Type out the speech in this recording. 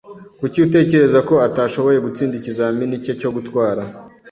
Kuki utekereza ko atashoboye gutsinda ikizamini cye cyo gutwara?